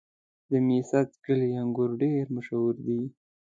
د میست کلي انګور ډېر مشهور دي.